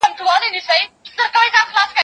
دا ته څنګه راپسې وې په تیاره کي